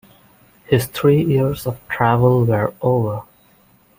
His three years of travel were over.